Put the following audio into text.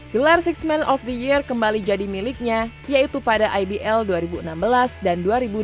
gelar sixth man of the year kembali kita maksudnya pada ibl dua ribu enam belas dan dua ribu delapan belas